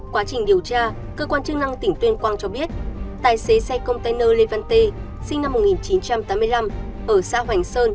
quá trình điều tra cơ quan chức năng tỉnh tuyên quang cho biết tài xế xe container lê văn tê sinh năm một nghìn chín trăm tám mươi năm ở xã hoành sơn